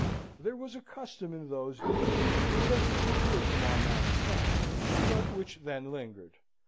There was a custom in those days which has disappeared from our manners now, but which then lingered.